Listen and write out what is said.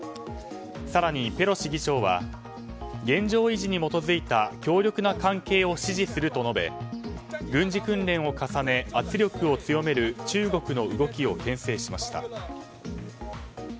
更にペロシ議長は現状維持に基づいた強力な関係を支持すると述べ軍事訓練を重ね圧力を強める中国の動きを牽制しました。